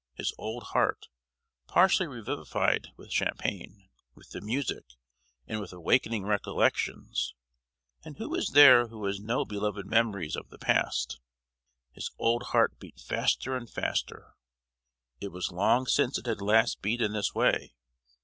His old heart, partially revivified with champagne, with the music, and with awakening recollections (and who is there who has no beloved memories of the past?), his old heart beat faster and faster. It was long since it had last beat in this way.